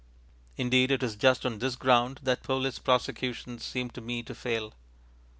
Indeed, it is just on this ground that police prosecutions seem to me to fail.